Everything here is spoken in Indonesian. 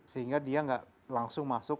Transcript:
sehingga dia nggak langsung masuk